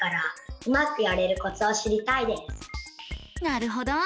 なるほど。